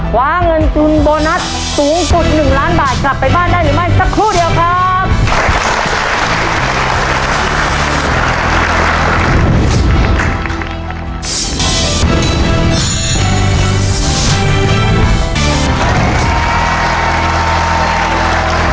คว้าเงินทุนโบนัสสูงสุด๑ล้านบาทกลับไปบ้านได้หรือไม่สักครู่เดียวครับ